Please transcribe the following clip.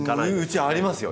うちありますよ